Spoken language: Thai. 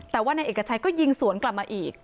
แต่ว่านายเอกชัยก็ยิงสวนกลับมาอีก